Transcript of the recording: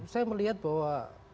saya melihat bahwa